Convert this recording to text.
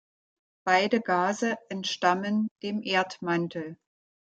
Beide Gase entstammen dem Erdmantel.